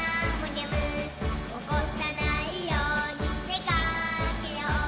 「おこさないようにでかけよう」